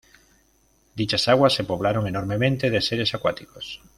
Dichas aguas se poblaron enormemente de seres acuáticos.